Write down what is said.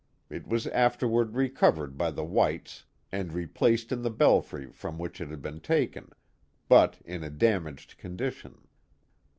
It was afterward recovered by the whites and replaced in the belfry from which it had been taken, but in a damaged condition.